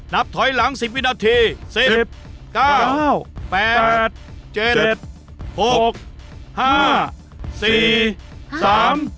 นับถอยหลังสิบวินาทีเส็นสิบเก้าแปดเจ็ดหกห้า